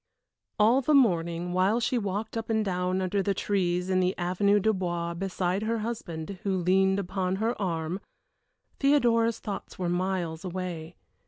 All the morning, while she walked up and down under the trees in the Avenue du Bois beside her husband, who leaned upon her arm, Theodora's thoughts were miles away.